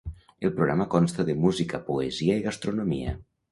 El programa consta de música, poesia i gastronomia.